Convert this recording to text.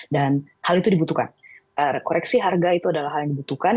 dan hal itu dibutuhkan koreksi harga itu adalah hal yang dibutuhkan